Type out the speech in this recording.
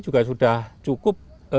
juga sudah cukup